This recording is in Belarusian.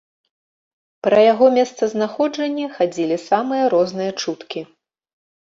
Пра яго месцазнаходжанне хадзілі самыя розныя чуткі.